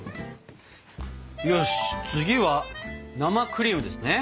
よし次は生クリームですね。